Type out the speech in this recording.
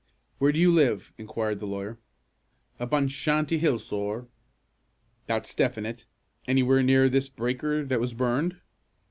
"Where do you live?" inquired the lawyer. "Up on Shanty Hill, sorr." "That's definite. Anywhere near this breaker that was burned?"